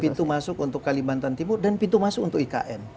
pintu masuk untuk kalimantan timur dan pintu masuk untuk ikn